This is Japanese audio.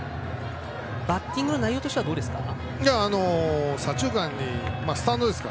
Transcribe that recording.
バッティングの内容はどうですか。